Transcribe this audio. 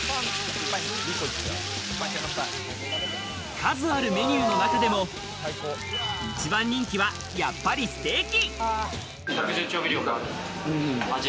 数あるメニューの中でも一番人気は、やっぱりステーキ。